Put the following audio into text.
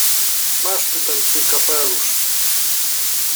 — Masz tu ten twój kapelusz.